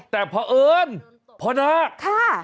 แต่เพราะเอิญพ่อนาคค่ะ